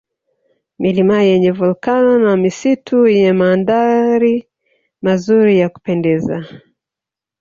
Milima yenye Volkano na misitu yenye mandhari mazuri ya kupendeza